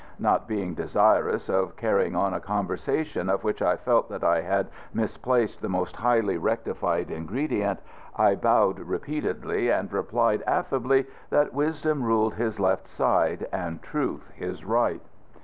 Not being desirous of carrying on a conversation of which I felt that I had misplaced the most highly rectified ingredient, I bowed repeatedly, and replied affably that wisdom ruled his left side and truth his right.